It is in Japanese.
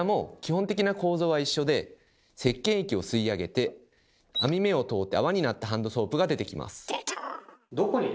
こちらもせっけん液を吸い上げて網目を通って泡になったハンドソープが出てきます。